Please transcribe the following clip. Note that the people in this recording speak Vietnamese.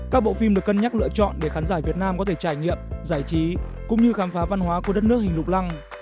các bộ phim được cân nhắc lựa chọn để khán giả việt nam có thể trải nghiệm giải trí cũng như khám phá văn hóa của đất nước hình lục lăng